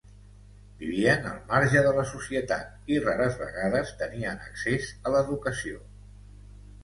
Vivien al marge de la societat i rares vegades tenien accés a l'educació.